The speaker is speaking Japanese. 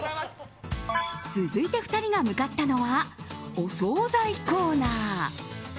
続いて２人が向かったのはお総菜コーナー。